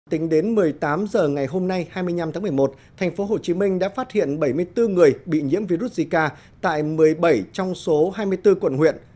tính đến một mươi tám h ngày hôm nay hai mươi năm tháng một mươi một thành phố hồ chí minh đã phát hiện bảy mươi bốn người bị nhiễm virus zika tại một mươi bảy trong số hai mươi bốn quận huyện